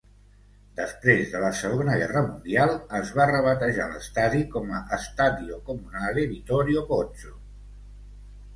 Després de la Segona Guerra Mundial, es va rebatejar l'estadi com a Stadio Comunale Vittorio Pozzo.